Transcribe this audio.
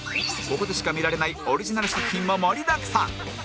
ここでしか見られないオリジナル作品も盛りだくさん